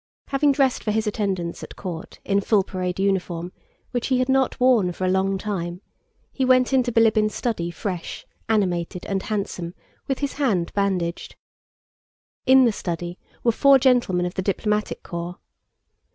Having dressed for his attendance at court in full parade uniform, which he had not worn for a long time, he went into Bilíbin's study fresh, animated, and handsome, with his hand bandaged. In the study were four gentlemen of the diplomatic corps.